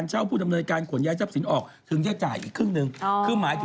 ยังไม่มาในเมืองไทย